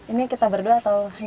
ini kita berdua atau